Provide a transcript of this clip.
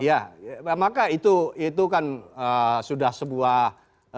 iya maka itu itu kan sudah sebuah